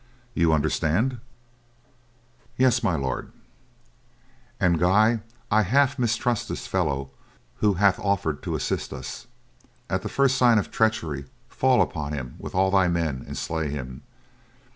You understand?" "Yes, My Lord!" "And, Guy, I half mistrust this fellow who hath offered to assist us. At the first sign of treachery, fall upon him with all thy men and slay him.